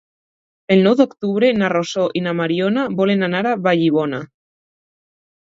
El nou d'octubre na Rosó i na Mariona volen anar a Vallibona.